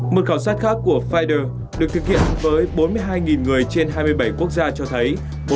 một khảo sát khác của fider được thực hiện với bốn mươi hai người trên hai mươi bảy quốc gia cho thấy